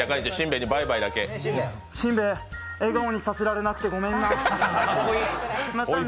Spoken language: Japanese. べえ、笑顔にさせられなくて、ごめんな。